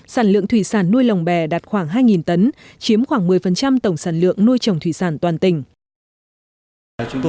sản lượng thủy sản nuôi lồng bè đạt khoảng hai tấn chiếm khoảng một mươi tổng sản lượng nuôi trồng thủy sản toàn tỉnh